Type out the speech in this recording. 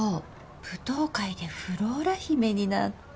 舞踏会でフローラ姫になって。